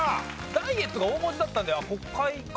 「Ｄｉｅｔ」が大文字だったんで「国会」か。